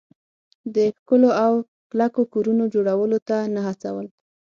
د ښکلو او کلکو کورونو جوړولو ته نه هڅول.